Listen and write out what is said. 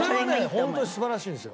ホントに素晴らしいんですよ。